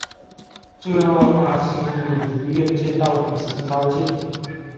最后阿星也如愿见到赌神高进。